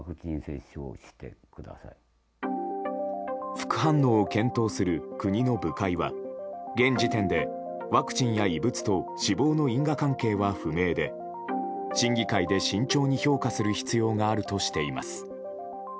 副反応を検討する国の部会は現時点でワクチンや異物と死亡の因果関係は不明で審議会で慎重に評価する必要があるとしています。